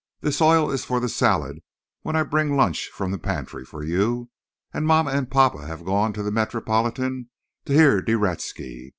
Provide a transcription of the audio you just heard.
This oil is for the salad when I bring lunch from the pantry for you. And mamma and papa have gone to the Metropolitan to hear De Reszke.